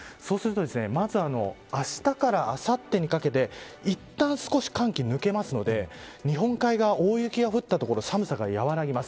まずあしたからあさってにかけていったん少し寒気が抜けるので日本海側、大雪が降った所寒さが和らぎます。